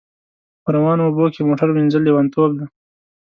په روانو اوبو کښی موټر وینځل لیونتوب دی